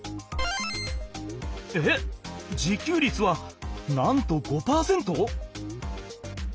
えっ自給率はなんと５％！？